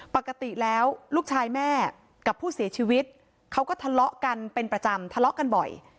ปกติแล้วลูกชายแม่กับผู้เสียชีวิตเขาก็ทะเลาะกันเป็นประจำทะเลาะกันบ่อย